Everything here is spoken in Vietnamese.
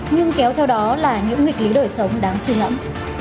nhưng kéo theo đó là những nghịch lý đời sống đáng suy ngẫm